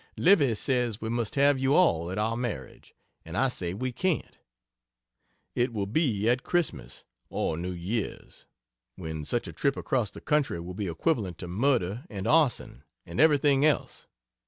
Livy says we must have you all at our marriage, and I say we can't. It will be at Christmas or New Years, when such a trip across the country would be equivalent to murder & arson & everything else.